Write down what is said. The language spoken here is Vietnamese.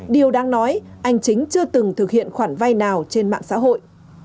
điều đang nói anh chính chưa từng thực hiện khoản vay nào trên mạng xã hội